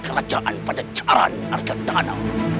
kerajaan pada caran arkadano